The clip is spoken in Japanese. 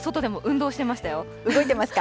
動いてますか。